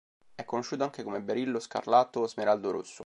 È conosciuto anche come "berillo scarlatto" o "smeraldo rosso".